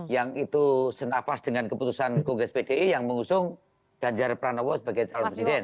yang itu senapas dengan keputusan kongres pdi yang mengusung ganjar pranowo sebagai calon presiden